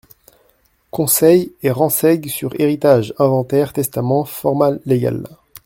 CONSEILS et renseig sur Héritages, Inventaires, testaments, formal légales.